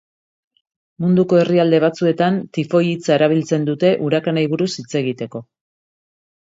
Munduko herrialde batzuetan, tifoi hitza erabiltzen dute urakanei buruz hitz egiteko.